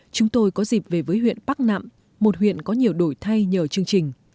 chúng tôi có dịp về với huyện bắc nạm một huyện có nhiều đổi thay nhờ chương trình